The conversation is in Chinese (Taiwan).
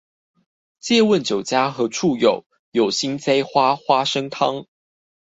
借問酒家何處有，有心栽花花生湯